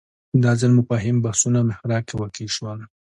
دا ځل مفاهیم بحثونو محراق کې واقع شول